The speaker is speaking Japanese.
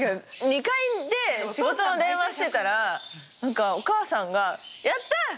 ２階で仕事の電話してたら何かお母さんが「やった！